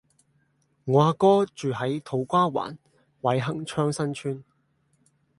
我阿哥住喺土瓜灣偉恆昌新邨